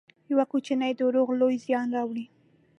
یو کوچنی دروغ لوی زیان راولي.